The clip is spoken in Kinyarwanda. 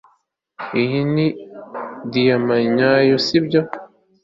iyi ni diyama nyayo, sibyo